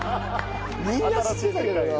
みんな知ってたけどな。